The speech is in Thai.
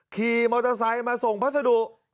ขี่มอเตอร์ไซค์มาส่งพัสดุ